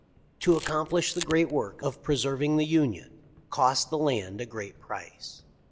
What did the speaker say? To accomplish the great work of preserving the Union cost the land a great price.